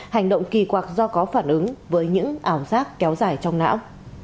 hành động kỳ quạc do có phản ứng với những ảo giác kéo dài trong não